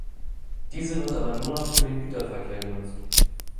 Diese wird aber nur noch für den Güterverkehr genutzt.